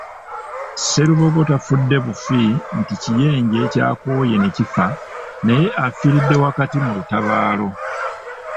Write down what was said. Sserubogo tafudde bufi nti kiyenje kyakooye ne kifa naye afiiridde wakati mu lutabaalo.